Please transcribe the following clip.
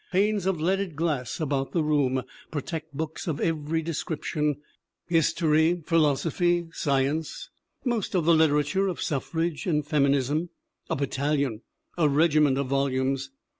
Panes of leaded glass about the room protect books of every description history, philoso phy, science, most of the literature of suffrage and feminism a battalion, a regiment of volumes.